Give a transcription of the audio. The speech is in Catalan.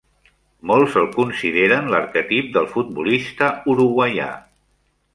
Molts el consideren l'arquetip del futbolista uruguaià.